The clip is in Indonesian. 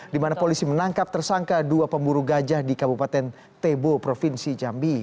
di mana polisi menangkap tersangka dua pemburu gajah di kabupaten tebo provinsi jambi